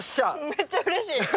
めっちゃうれしい。